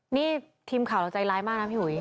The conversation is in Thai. นี่ติดไร่ล่ะพี่หุย